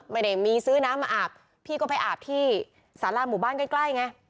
ไม่ได้มีซื้อน้ำมาอาบพี่ก็ไปอาบที่สาราหมู่บ้านใกล้ใกล้ไง